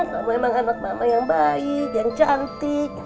mama emang anak mama yang baik yang cantik